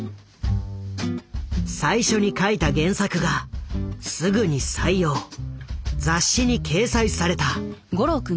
最初に書いた原作がすぐに採用雑誌に掲載された。